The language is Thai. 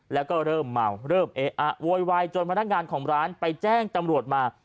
แล้วก็เริ่มเมาเริ่มเอ๊ะโวยวายจนพนักงานของร้านไปแจ้งตำรวจมา